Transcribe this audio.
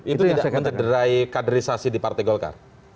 itu tidak mendederai kaderisasi di partai golka